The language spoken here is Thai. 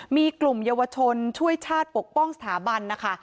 มีกลุ่มเยาวชนช่วยชาติปกป้องสถาบันนะคะ